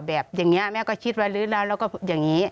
แบบอย่างนี้แม่ก็คิดไว้ลืดแล้วแล้วก็อย่างนี้